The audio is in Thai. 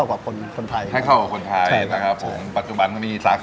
เป็นแต้จิ๋วดั้งเดิมนะครับ